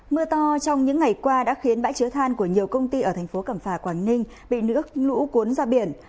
mưa to trong những ngày qua đã khiến bãi chứa than của nhiều công ty ở thành phố cẩm phả quảng ninh bị nước lũ cuốn ra biển